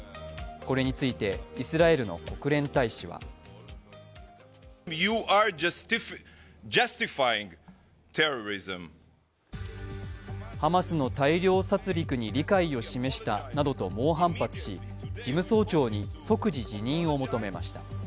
これについてイスラエルの国連大使はハマスの大量殺りくに理解を示したなどと猛反発し、事務総長に即時辞任を求めました。